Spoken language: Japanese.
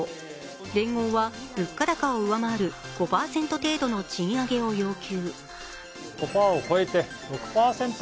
連合は物価高を上回る５％程度の賃上げを要求。